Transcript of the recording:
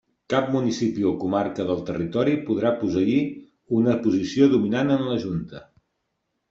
Cap municipi o comarca del territori podrà posseir una posició dominant en la Junta.